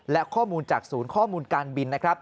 และข้อมูลจากศูนย์ข้อมูลการบินนะครับ